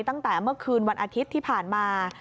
ตั้งแต่เมื่อคืนวันอาทิตย์ที่ผ่านมา